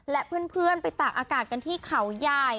และเพื่อนไปตากอากาศกันที่เขาใหญ่